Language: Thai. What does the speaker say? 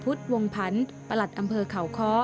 ดวงพันธ์ประหลัดอำเภอเขาค้อ